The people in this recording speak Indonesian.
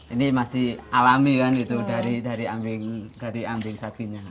ini masih alami kan gitu dari ambing ambing subinya